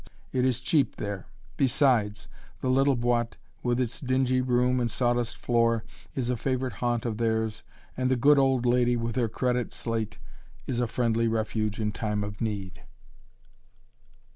It is cheap there; besides, the little "boîte," with its dingy room and sawdust floor, is a favorite haunt of theirs, and the good old lady, with her credit slate, a friendly refuge in time of need.